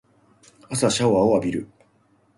朝シャワーを浴びる